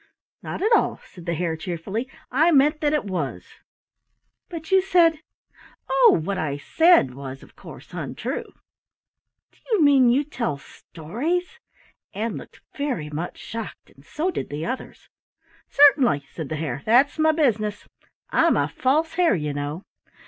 "Not at all," said the Hare cheerfully. "I meant that it was." "But you said " "Oh, what I said was, of course, untrue." "Do you mean you tell stories?" Ann looked very much shocked, and so did the others. "Certainly," said the Hare, "that's my business, I'm a False Hare, you know.